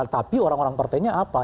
tapi orang orang partainya apa